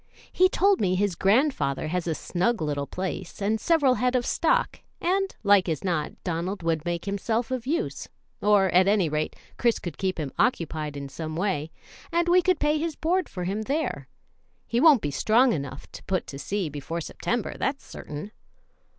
He told me his grandfather has a snug little place and several head of stock, and, like as not, Donald would make himself of use, or, at any rate, Chris could keep him occupied in some way, and we could pay his board for him there. He won't be strong enough to put to sea before September, that's certain."